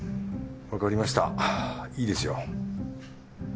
わかりましたいいですよ。